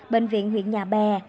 bệnh viện huyện nhà bè